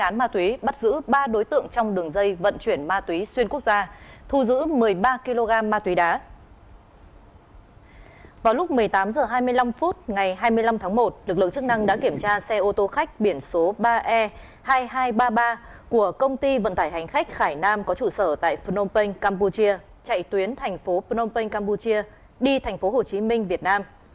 lúc một mươi tám h hai mươi năm phút ngày hai mươi năm tháng một lực lượng chức năng đã kiểm tra xe ô tô khách biển số ba e hai nghìn hai trăm ba mươi ba của công ty vận tải hành khách khải nam có trụ sở tại phnom penh campuchia chạy tuyến thành phố phnom penh campuchia đi thành phố hồ chí minh việt nam